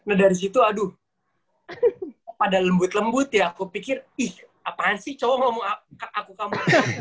nah dari situ aduh pada lembut lembut ya aku pikir ih apaan sih coba ngomong aku kamu